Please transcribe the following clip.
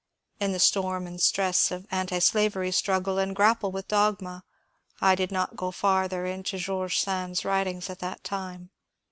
In the storm and stress of antishtvery struggle and grapple with dogma I did not go farther into George Sand's writings at that time.